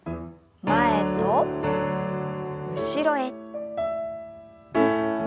前と後ろへ。